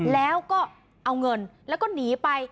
แล้วก็เอาเงินแล้วก็หนีไป